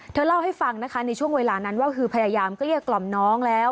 เธอเล่าให้ฟังนะคะในช่วงเวลานั้นว่าคือพยายามเกลี้ยกล่อมน้องแล้ว